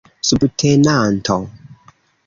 subtenanto